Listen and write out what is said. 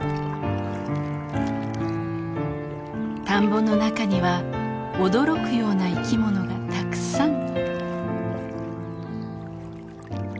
田んぼの中には驚くような生き物がたくさん。